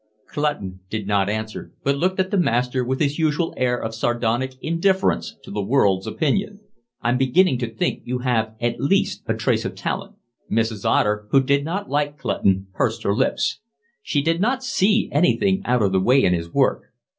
Clutton did not answer, but looked at the master with his usual air of sardonic indifference to the world's opinion. "I'm beginning to think you have at least a trace of talent." Mrs. Otter, who did not like Clutton, pursed her lips. She did not see anything out of the way in his work.